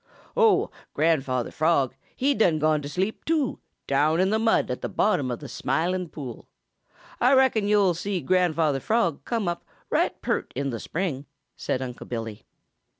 "Oh, Grandfather Frog, he done gone to sleep, too, down in the mud at the bottom of the Smiling Pool. Ah reckon yo' will see Grandfather Frog come up right pert in the spring," said Unc' Billy.